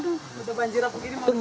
udah banjir aku gini mau